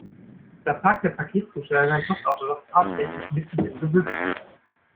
Da parkt der Paketzusteller sein Postauto doch tatsächlich mitten im Gebüsch!